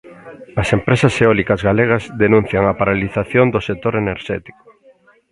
As empresas eólicas galegas denuncian a paralización do sector enerxético.